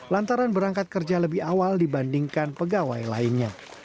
lantaran berangkat kerja lebih awal dibandingkan pegawai lainnya